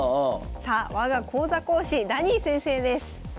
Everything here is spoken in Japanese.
さあ我が講座講師ダニー先生です。